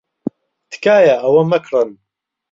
تکایە ئەوە مەکڕن.